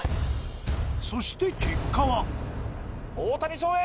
そして結果は大谷翔平